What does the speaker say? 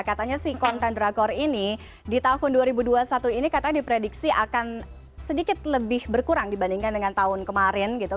katanya si konten drakor ini di tahun dua ribu dua puluh satu ini katanya diprediksi akan sedikit lebih berkurang dibandingkan dengan tahun kemarin gitu